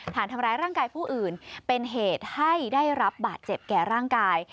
ฐานทำร้ายร่างกายผู้อื่นเป็นเหตุให้ได้รับบาดเจ็บแก่ร่างกาย